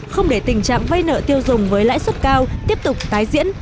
không để tình trạng vay nợ tiêu dùng với lãi suất cao tiếp tục tái diễn